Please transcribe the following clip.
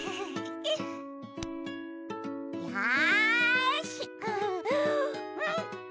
よし！